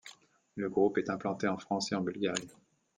Le groupe est implanté en France et en Bulgarie.